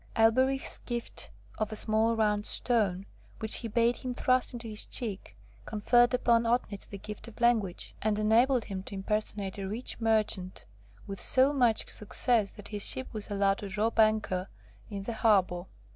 Elberich's gift of a small round stone, which he bade him thrust into his cheek, conferred upon Otnit the gift of language, and enabled him to impersonate a rich merchant with so much success that his ship was allowed to drop anchor in the harbour.